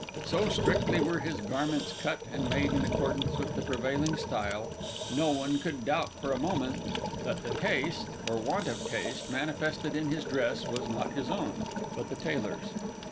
So strictly were his garments cut and made in accordance with the prevailing style, no one could doubt for a moment that the taste, or want of taste, manifested in his dress, was not his own, but the tailor's.